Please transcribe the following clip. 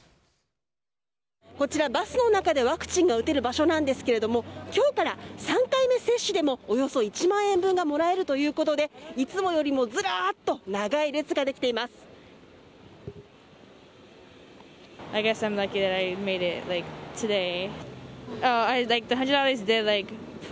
こちら、バスの中でワクチンが打てる場所なんですけれども、きょうから３回目接種でもおよそ１万円分がもらえるということで、いつもよりもずらーっと長い列が出来ています。